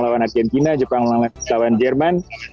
lawan argentina jepang menang lawan jerman